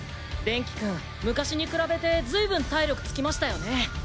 デンキくん昔に比べてずいぶん体力つきましたよね。